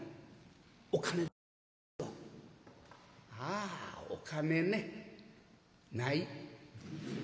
「ああお金ね。ない」。